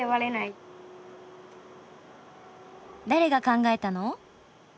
誰が考えたの？